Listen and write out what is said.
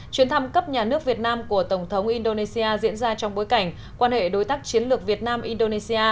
chuyến thăm cấp nhà nước việt nam của tổng thống indonesia diễn ra trong bối cảnh quan hệ đối tác chiến lược việt nam indonesia